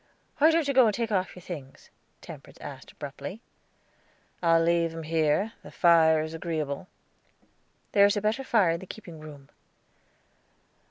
"Why don't you go and take off your things?" Temperance asked, abruptly. "I'll leave them here; the fire is agreeable." "There is a better fire in the keeping room."